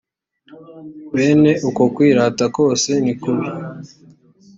bene uko kwirata kose ni kubi.